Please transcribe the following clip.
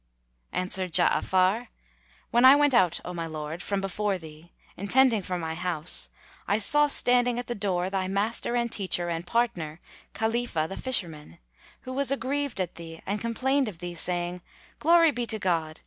Answered Ja'afar, "When I went out, O my lord, from before thee, intending for my house, I saw standing at the door thy master and teacher and partner, Khalifah the Fisherman, who was aggrieved at thee and complained of thee saying, 'Glory be to God!